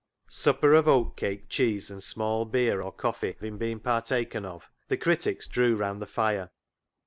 Supper of oatcake, cheese, and small beer or coffee having been partaken of, the critics drew round the fire.